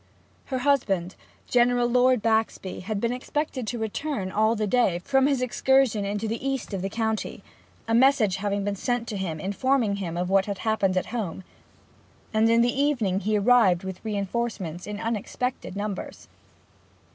Her husband, General Lord Baxby, had been expected to return all the day from his excursion into the east of the county, a message having been sent to him informing him of what had happened at home; and in the evening he arrived with reinforcements in unexpected numbers.